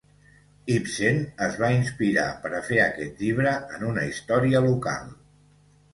Ibsen es va inspirar per a fer aquest llibre en una història local.